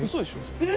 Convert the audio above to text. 「えっ？」